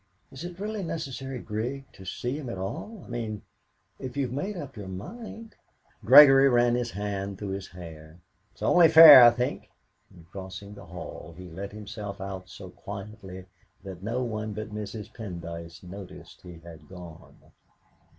"Is it really necessary, Grig, to see him at all? I mean if you've made up your mind " Gregory ran his hand through his hair. "It's only fair, I think!" And crossing the hall, he let himself out so quietly that no one but Mrs. Pendyce noticed he had gone.